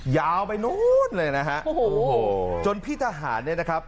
ยาวไปนู้นเลยนะฮะโอ้โหจนพี่ทหารเนี่ยนะครับ